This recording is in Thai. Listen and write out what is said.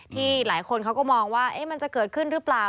ที่หลายคนเขาก็มองว่ามันจะเกิดขึ้นหรือเปล่า